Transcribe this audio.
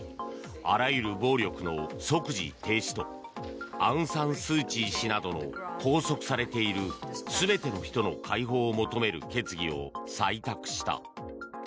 あらゆる暴力の即時停止とアウン・サン・スー・チー氏などの拘束されている全ての人の解放を求める決議を採択した。